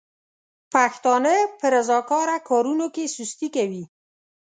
پښتانه په رضاکاره کارونو کې سستي کوي.